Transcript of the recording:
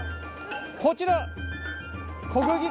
こちら。